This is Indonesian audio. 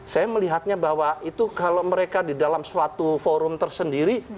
saya melihatnya bahwa itu kalau mereka di dalam suatu forum tersendiri